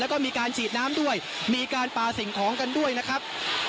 แล้วก็มีการฉีดน้ำด้วยมีการปลาสิ่งของกันด้วยนะครับ